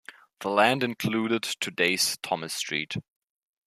That land included today's Thomas Street.